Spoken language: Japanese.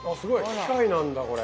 機械なんだこれ。